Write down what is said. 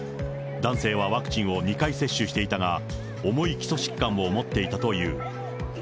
男性はワクチンを２回接種していたが、重い基礎疾患を持っていたという。